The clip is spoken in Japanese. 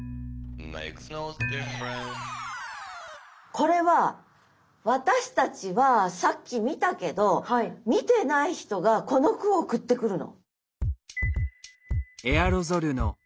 これは私たちはさっき見たけど見てない人がこの句を送ってくるの。